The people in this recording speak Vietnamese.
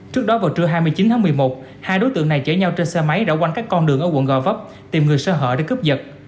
trước đó vào trưa hai mươi chín tháng một mươi một hai đối tượng này chở nhau trên xe máy rão quanh các con đường ở quận gò vấp tìm người sơ hở để cướp giật